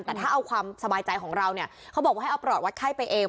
แต่ถ้าเอาความสบายใจของเราเนี่ยเขาบอกว่าให้เอาปลอดวัดไข้ไปเอง